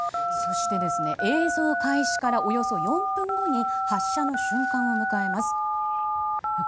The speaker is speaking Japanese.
そして映像開始からおよそ４分後に発射の瞬間を迎えます。